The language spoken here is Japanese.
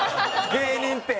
芸人って。